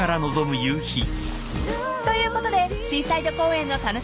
［ということでシーサイド公園の楽しみ方